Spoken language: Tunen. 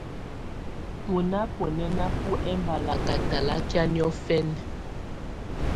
Tú ná búnɛ́ná bú ɛmbalakɛ̀ talakɛ̀á nɔ̀fɛna.